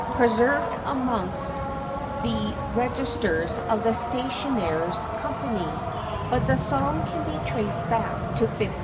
preserved amongst the registers of the Stationers' Company; but the song can be traced back to 1566.